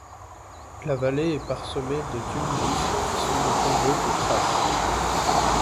La vallée est parsemée de tumulus qui sont des tombeaux de Thraces.